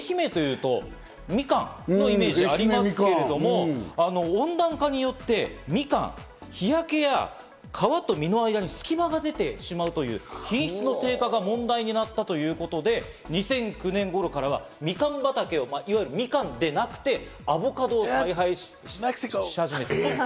さらに愛媛というとみかんのイメージがありますが、温暖化によって、みかんの日焼けや、皮と実の間に隙間が出てしまうという品質の低下が問題になったということで、２００９年ごろからはみかんではなくて、アボカドを栽培していると。